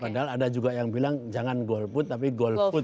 padahal ada juga yang bilang jangan golput tapi golput